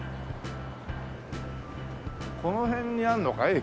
この辺にあるのかい？